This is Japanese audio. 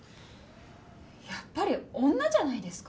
やっぱり女じゃないですか？